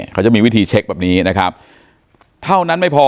เขาจะมีวิธีเช็คแบบนี้นะครับเท่านั้นไม่พอ